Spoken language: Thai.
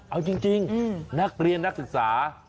เอาจริงนักเรียนนักศึกษา